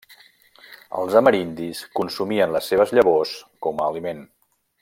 Els amerindis consumien les seves llavors com aliment.